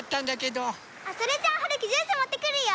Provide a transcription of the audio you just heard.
それじゃあはるきジュースもってくるよ。